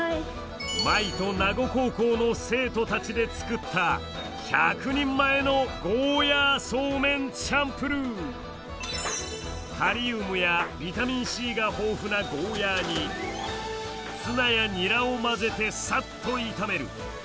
Ｍａｉと名護高校の生徒たちで作った１００人前のカリウムやビタミンＣが豊富なゴーヤーにツナやニラを混ぜてさっと炒める。